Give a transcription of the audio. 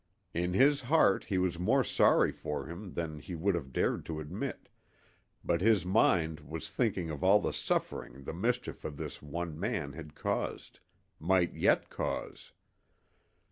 In his heart he was more sorry for him than he would have dared to admit, but his mind was thinking of all the suffering the mischief of this one man had caused, might yet cause.